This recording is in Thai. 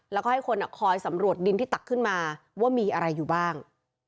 แล้วก็ให้คนคอยสำรวจดินที่ตักขึ้นมาว่ามีอะไรอยู่บ้าง